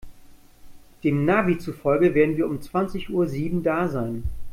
Dem Navi zufolge werden wir um zwanzig Uhr sieben da sein.